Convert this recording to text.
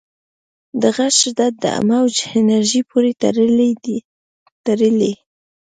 د غږ شدت د موج انرژۍ پورې تړلی.